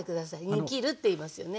煮きるっていいますよね。